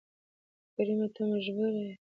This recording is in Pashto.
کريمه ته مجبوره يې